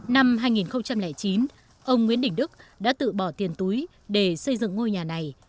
năm hai nghìn chín ông nguyễn đình đức đã tự bỏ tiền túi để xây dựng ngôi nhà này